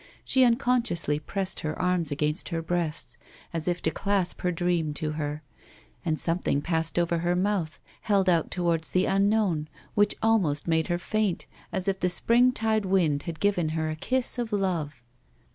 She unconsciously pressed her arms against her breast, as if to clasp her dream to her ; and something passed over her mouth, held out towards the unknown, which almost made her faint, as if the springtide wind had given her a kiss of love.